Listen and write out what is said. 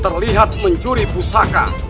terlihat mencuri pusaka